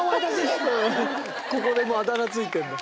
ここでもうあだ名付いてんだ。